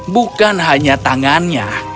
bukan hanya tangannya